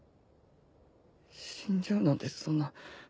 死んじゃうなんてそんな。